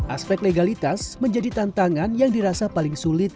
aspek legalitas menjadi tantangan yang dirasa paling sulit